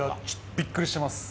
びっくりしてます。